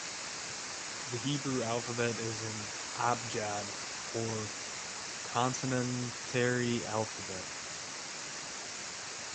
The Hebrew alphabet is an "Abjad" or consonantary alphabet.